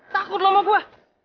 takut lo sama gua